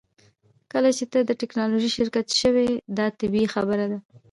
کله چې ته د ټیکنالوژۍ شرکت شوې دا طبیعي خبره ده